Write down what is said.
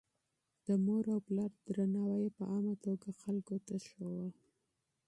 د مور او پلار درناوی يې په عامه توګه خلکو ته ښووه.